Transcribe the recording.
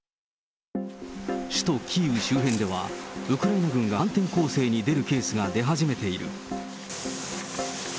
首都キーウ周辺では、ウクライナ軍が反転攻勢に出るケースが出始めている。